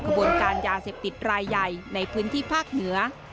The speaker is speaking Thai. บนการยาเสพติดรายใหญ่ในพื้นที่ภาคเหนือ